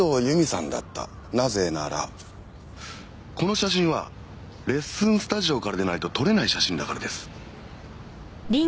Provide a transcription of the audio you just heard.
なぜならこの写真はレッスンスタジオからでないと撮れない写真だからです。